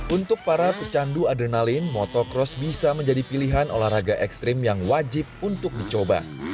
untuk para pecandu adrenalin motocross bisa menjadi pilihan olahraga ekstrim yang wajib untuk dicoba